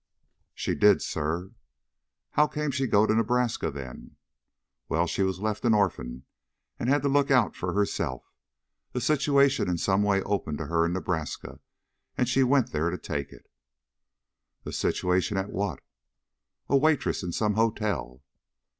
"She did, sir." "How came she to go to Nebraska then?" "Well, she was left an orphan and had to look out for herself. A situation in some way opened to her in Nebraska, and she went there to take it." "A situation at what?" "As waitress in some hotel."